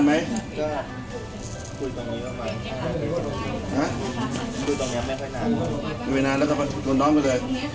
ไม่ไปนานแล้วก็จนน้องไปเลย